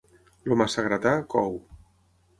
El massa gratar, cou.